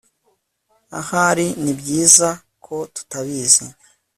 ahari nibyiza ko tutabizi